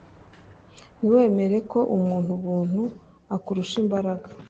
Ntiwemere ko umuntu buntu akurusha imbaraga?